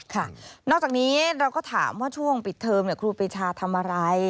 นอกจากนี้เราก็ถามว่าช่วงปิดเทอมครูปีชาทำอะไร